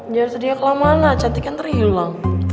jangan sedihnya kelam lamanya cantiknya ngeri hilang